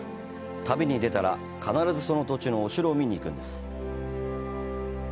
旅に出たら、必ずその土地のお城を見に行くんです。